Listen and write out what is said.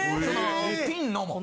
・ピンのも。